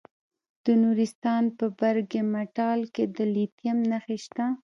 د نورستان په برګ مټال کې د لیتیم نښې شته.